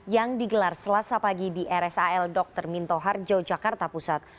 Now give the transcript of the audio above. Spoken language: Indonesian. yang digelar selasa pagi di rsal dr minto harjo jakarta pusat